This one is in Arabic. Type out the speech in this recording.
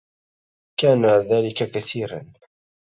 كان ذلك كثيرا